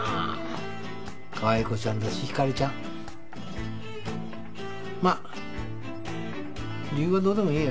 かわい子ちゃんだしひかりちゃん。まあ理由はどうでもいいや。